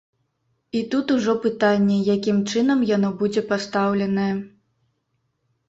І тут ужо пытанне, якім чынам яно будзе пастаўленае.